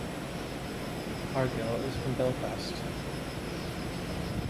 Cargill is from Belfast.